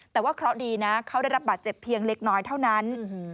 แต่ว่าเคราะห์ดีนะเขาได้รับบาดเจ็บเพียงเล็กน้อยเท่านั้น